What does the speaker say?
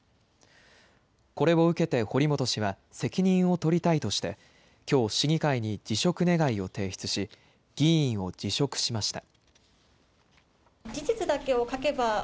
これを受けて堀本氏は責任を取りたいとして、きょう、市議会に辞職願を提出し、議員を辞職しました。